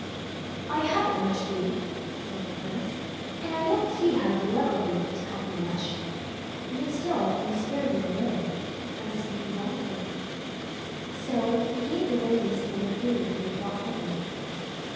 "I haven't much food", said the Prince, "and I don't see how you'll ever be able to help me much; but still I can spare you a little. I see you want it." So he gave the raven some of the food he had brought with him.